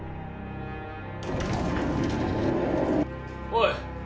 おい。